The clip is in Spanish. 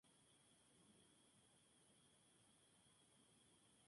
Culmina con la entrega de los "Premios San Pancracio".